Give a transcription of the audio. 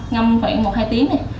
ngâm khoảng một hai tiếng này